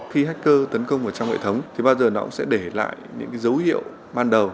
khi hacker tấn công vào trong hệ thống thì bao giờ nó cũng sẽ để lại những dấu hiệu ban đầu